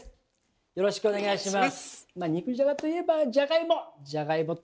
よろしくお願いします。